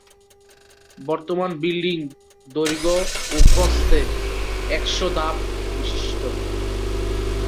বর্তমান বিল্ডিং, দৈর্ঘ্য ও প্রস্থে একশো ধাপ বিশিষ্ট।